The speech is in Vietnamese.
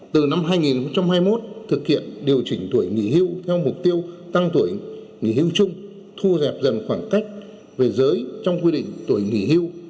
từ năm hai nghìn hai mươi một thực hiện điều chỉnh tuổi nghị hưu theo mục tiêu tăng tuổi nghị hưu chung thua dẹp dần khoảng cách về giới trong quy định tuổi nghị hưu